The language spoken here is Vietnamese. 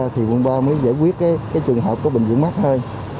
thì quận ba mới giải quyết cái trường hợp của bệnh viện mắt thôi